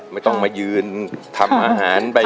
ไม่ต้องมายืนทำอาหาร